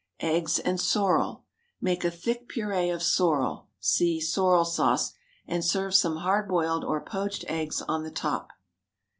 EGGS AND SORREL. Make a thick puree of sorrel (see SORREL SAUCE) and serve some hard boiled or poached eggs on the top.